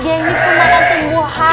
dia ngikut makanan tumbuhan